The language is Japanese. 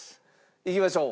いきましょう。